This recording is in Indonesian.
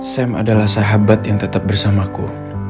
sam adalah sahabat yang tetap bersamaku